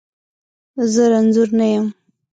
زه رنځور نه یم.